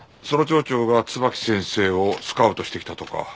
その町長が椿木先生をスカウトしてきたとか？